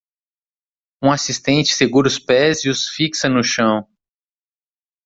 Um assistente segura os pés e os fixa no chão.